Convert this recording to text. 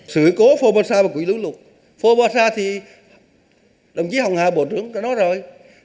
sự cố phobosar và quỹ lũ lục phobosar thì đồng chí hồng hà bộ trưởng đã nói rồi